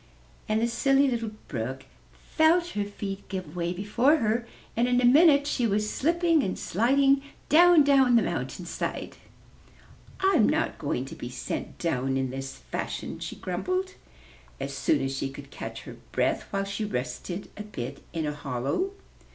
And the Silly Little Brook felt her feet give way before her, and in a minute she was slipping and sliding down, down the mountain side. 'Tm not going to be sent down in this fashion," she grumbled, as soon as she could catch her breath, while she rested a bit in a hollow.